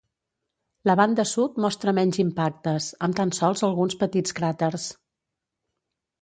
La banda sud mostra menys impactes, amb tan sols alguns petits cràters.